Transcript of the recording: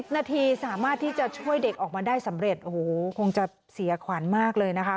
นาทีสามารถที่จะช่วยเด็กออกมาได้สำเร็จโอ้โหคงจะเสียขวัญมากเลยนะคะ